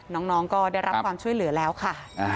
น้องก็ได้รับความช่วยเหลือแล้วค่ะ